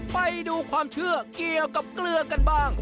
ไปดูความเชื่อเกี่ยวกับเกลือกันบ้าง